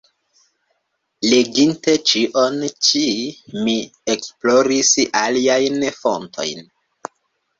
Leginte ĉion ĉi, mi esploris aliajn fontojn.